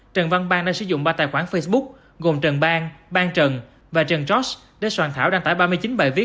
trần văn bang đã sử dụng ba tài khoản facebook gồm trần bang ban trần và trần trót để soạn thảo đăng tải ba mươi chín bài viết